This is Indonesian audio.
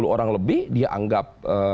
tiga puluh orang lebih dianggap